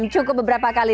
cukup beberapa kali